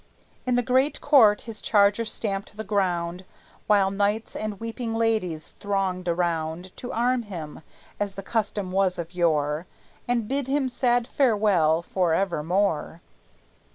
In the great court his charger stamped the ground, While knights and weeping ladies thronged around To arm him (as the custom was of yore) And bid him sad farewell for evermore.